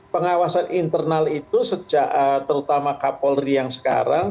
pengawasan internal itu sejak terutama k polri yang sekarang